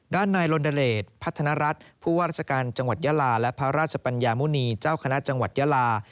ด้านนายลนดเดชพัฒนรัฐผู้ว่าราชการจังหวัดยาลาและพระราชปัญญามุณีเจ้าคณะจังหวัดยาลา